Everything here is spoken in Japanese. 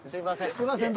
すいません。